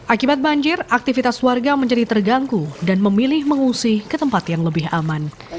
akibat banjir aktivitas warga menjadi terganggu dan memilih mengungsi ke tempat yang lebih aman